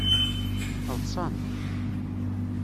Ḍsant.